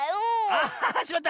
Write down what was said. あしまった！